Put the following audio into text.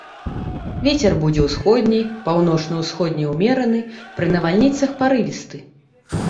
Вецер будзе ўсходні, паўночна-ўсходні ўмераны, пры навальніцах парывісты.